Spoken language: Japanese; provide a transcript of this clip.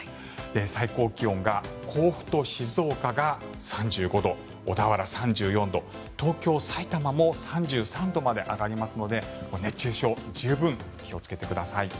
最高気温が甲府と静岡が３５度小田原３４度、東京、さいたまも３３度まで上がりますので熱中症十分気をつけてください。